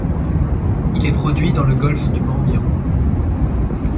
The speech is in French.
Il est produit dans le golfe du Morbihan.